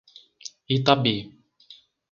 Itabi